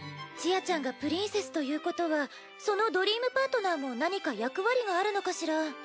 ちあちゃんがプリンセスということはそのドリームパートナーも何か役割があるのかしら？